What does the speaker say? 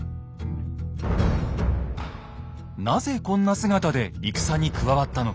なぜこんな姿で戦に加わったのか。